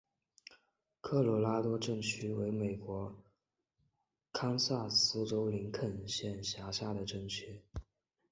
科罗拉多镇区为美国堪萨斯州林肯县辖下的镇区。